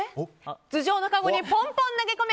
頭上のカゴにポンポン投げ込め！